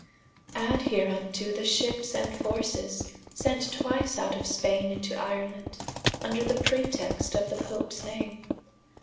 ] Adde hereunto the ships and forces sent twise out of Spaine into Ireland vnder the pretext of the Popes name.